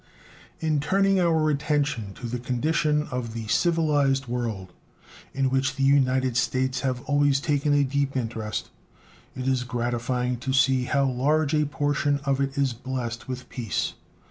In turning our attention to the condition of the civilized world, in which the United States have always taken a deep interest, it is gratifying to see how large a portion of it is blessed with peace.